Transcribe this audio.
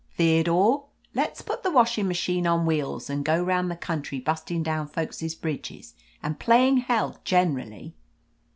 Theodore, let's put the washing machine on wheels and go round the country bustin' down folks' bridges and playin' hell generally